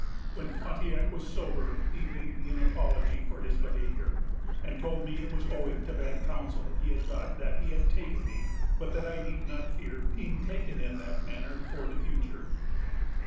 When Pontiac was sober, he made me an apology for his behavior; and told me it was owing to bad counsel he had got that he had taken me; but that I need not fear being taken in that manner for the future."